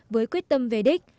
với quyết tâm về đích